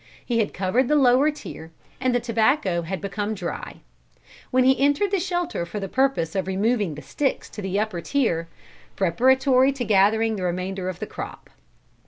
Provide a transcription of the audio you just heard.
He had covered the lower tier and the tobacco had become dry; when he entered the shelter for the purpose of removing the sticks to the upper tier, preparatory to gathering the remainder of the crop.